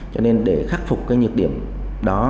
cho nên để khắc phục cái nhược điểm đó